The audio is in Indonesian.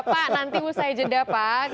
pak nanti usai jeda pak